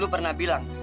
lu pernah bilang